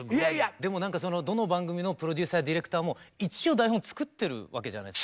でも何かどの番組のプロデューサーやディレクターも一応台本作ってるわけじゃないですか。